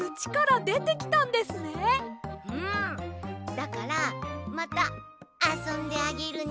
だからまたあそんであげるね。